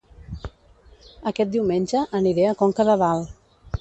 Aquest diumenge aniré a Conca de Dalt